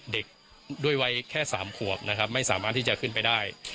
เด็กด้วยวัยแค่๓ขวบนะครับไม่สามารถที่จะขึ้นไปได้